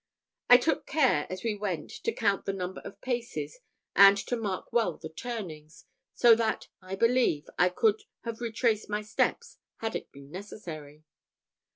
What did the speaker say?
I took care as we went to count the number of paces, and to mark well the turnings, so that, I believe, I could have retraced my steps had it been necessary.